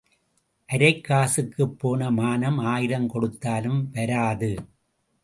அரைக் காசுக்குப் போன மானம் ஆயிரம் கொடுத்தாலும் வராது.